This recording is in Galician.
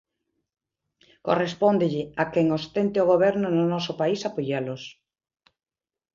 Correspóndelle a quen ostente o goberno no noso país apoialos.